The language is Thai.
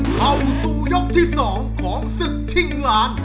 เข้าสู่ยกที่๒ของศึกชิงล้าน